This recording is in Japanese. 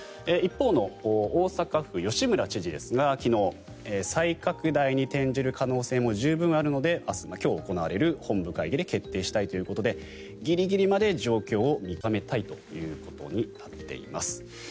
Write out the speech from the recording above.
一方の大阪府、吉村知事ですが昨日、再拡大に転じる可能性も十分にあるので今日行われる本部会議で決定したいということでギリギリまで状況を見極めたいということになっています。